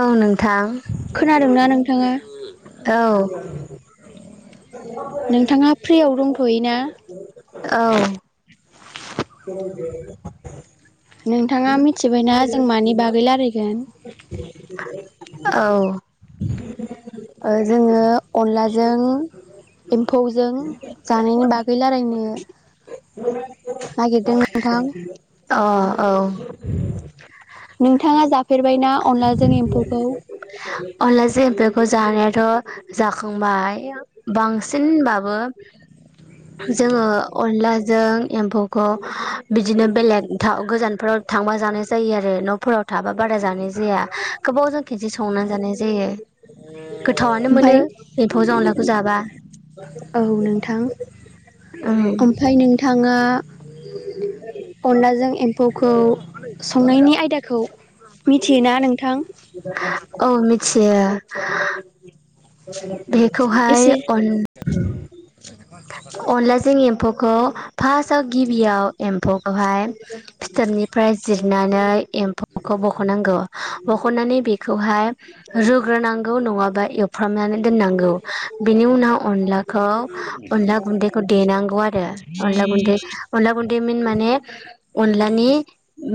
औ नोंथां। खोनादोंना नोंथाङा औ। नोंथाङा फ्रियाव दंथ'यो ना? औ [unintelligible] नोंथाङा मिथिबाय ना जों मानि बागै रायलायगोन औ। ओ जोङो अनलाजों एम्फौजों जानायनि बागै रायलायनो [inaudible] नागिरदों नोंथां। अ औ। नोंथाङा जाफेरबाय ना अनलाजों एम्फौखौ अनलाजो एम्फौखो जानायाथ' जाखांबाय बांसिन होनबाबो जोङो अनलाजों एम्फौखौ बिदिनो बेलेगथाव गोजानफोराव थांबा जानाय जायो आरो न'फोराव थाबा बारा जानाय जाया। गोबाव जों खेबसे संनानै जानाय जायो। गोथावानो मोनो ओमफाय एम्फौ जों अनलाखौ जाबा। औ नोंथां। ओम ओमफाय नोंथाङा अनलाजों एम्फौखौ संनायनि आयदाखौ मिथियो ना नोंथां? औ मिथियो। बेखौहाय एसे अन अनलाजों एम्फौखौ फासाव गिबियाव एम्फौखौहाय फिथोबनिफ्राय जिरनानै एम्फौखौ बख'नांगौ। बखननानै बेखौहाय रुग्रोनांगौ नङाबा एवफ्रामनानै दोननांगौ। बेनि उनाव अनलाखौ अनला गुन्दैखौ देनांगौ आरो अनला गुन्दै अनला गुन्दै मिन माने अनलानि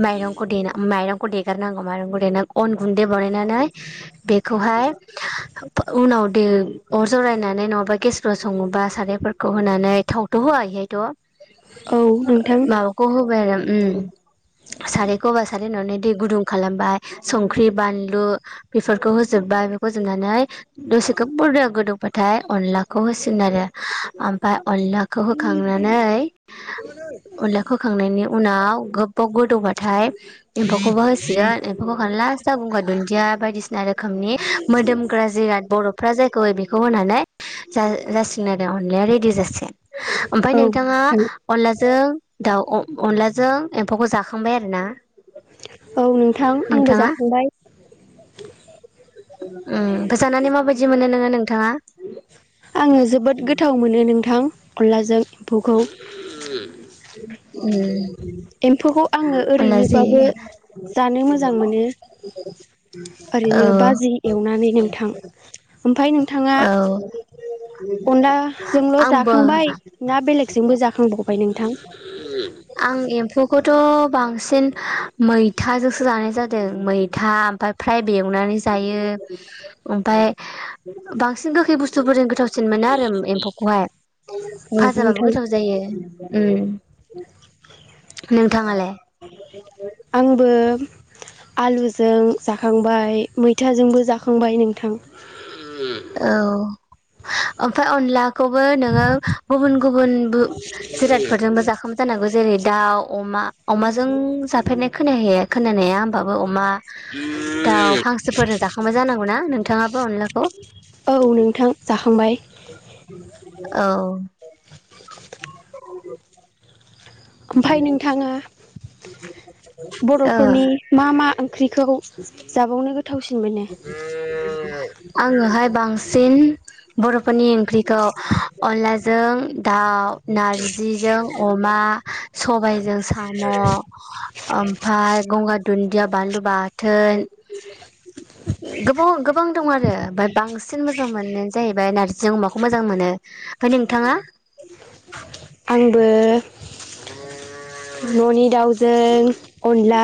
माइरंखौ देना माइरंखौ देगारनांगौ माइरंखौ देना अन गुन्दै बनायनानै बेखौहाय उनाव दे अर जराय नानै नङाबा गेस सङोबा सारायफोरखौ होनानै थावथ' होआ इहायथ' औ नोंथां माबाखौ होबाय आरो उम। सारायखौबा सारै होनावनानै दै गुदुं खालामबाय संख्रि बानलु बेफोरखौ होजोब बाय बेखौ होजोबनानै दसेखौ [unintelligible] गोदौबाथाय अनलाखौ होसिगोन आरो ओमफाय अनलाखौ होखांनानै अनलाखो होखांनायनि उनाव गोबबाव गोदौबाथाय एम्फौखौबो होसिगोन एम्फौखौ होखांना लास्टाव गंगार दुन्दिया बायदिस ना रोखोमनि मोदोमग्रा जिराद बर' फ्रा जायखौ होयो बेखौ होनानै जा जासिगोन अनलाया रेडि जासिगोन। ओमफाय औ नोंथाङा नोंथां अनला जों दाउ अनलाजों एम्फौखौ जाखांबाय आरो ना। औ नोंथां आंबो नोंथाङा जाखांबाय। उम फाय जानानै माबायदि मोनदो नोङो नोंथाङा? आङो जोबोद गोथाव मोनो नोंथां अनलाजों एम्फौखौ। उम। एम्फौखौ आङो अनलाजों ओरैनोबाबो जानो मोजां मोनो औ ओरैनो बाजि एवनानै नोंथां ओमफाय नों थाङा औ अनदाजोंल' आंबो जाखांबाय ना बेलेग जोंबो जाखांबावबाय नोंथां? आं एम्फौखौथ' बांसिन मैथाजोंसो जानाय जादों मैथा ओमफाय फ्राय बो बेएवनानै जायो ओमफाय बांसिन गोखै बुस्थुफोरजों गो थावसिन मोनो आरो एम्फौखौहाय औ फाजाबाबो नोंथां गोथाव जायो उम थाङालाय आंबो आलुजों जाखांबाय मैथाजोंबो जाखांबाय नोंथां औ ओमफ्राय अनला खौबो नोङो गुबुन गुबुन जिरादफोरजोंबो जाखांजानांगौ जेरै दाउ अमा अमाजों जाफेरनाय खोनाया खोनानाया होमबाबो अमा दाउ हांसोफोरजों जाखांबाय जानांगौना नोंथाङाबो अनलाखौ औ नोंथां जाखांबाय औ ओमफाय नोंथाङा ओ बर'फोरनि मा मा ओंख्रिखौ जाबावनो गोसो आङोहाय बां सिन बर'फोरनि ओंख्रिखौ अनलाजों दाउ नारजिजों अमा सबायाइजों साम' ओमफ्राय गंगार दुन ददिया बानलु बाथोन गोबाव गोबां दं आरो ओमफाय बांसिन मोजां मोननाय जाहै बाय नारजिजों अमाखौ मोजां मोनो ओमफाय नोंथाङा? आंबो न'नि दाउ जों अनला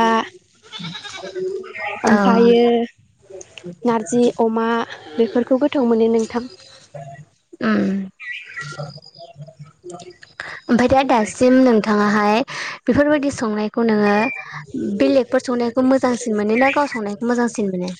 औ ओमफायो नारजि अमा बेफोरखौ गोथाव मोनो नोंथां उम [inaudible] ओमफाय दा दासिम नोंथाङाहाय बेफोरबायदि संनायखौ नोङो बेलेग फोर संनायखौ मोजांसिन मोनो ना गाव संनायखौ मोजांसिन मोनो?